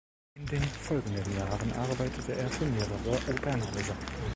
In den folgenden Jahren arbeitete er für mehrere Opernhäuser.